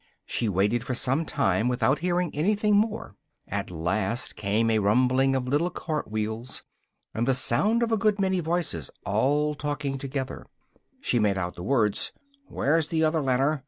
She waited for some time without hearing anything more: at last came a rumbling of little cart wheels, and the sound of a good many voices all talking together: she made out the words "where's the other ladder?